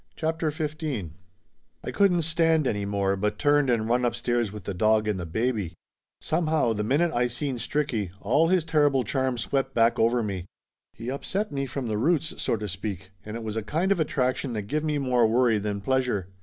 CHAPTER XV T COULDN'T stand any more, but turned and run * upstairs with the dog and the baby. Somehow the minute I seen Stricky, all his terrible charm swept back over me. He upset me from the roots, so to speak, and it was a kind of attraction that give me more worry than pleasure.